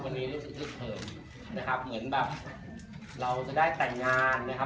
วันนี้รู้สึกอึกเขินนะครับเหมือนแบบเราจะได้แต่งงานนะครับ